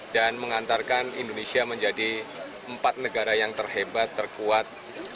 dan mengantarkan indonesia menjadi empat negara yang terhebat terkuat